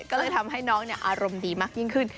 ก็เลยทำให้น้องอารมณ์ดีมากยิ่งขึ้น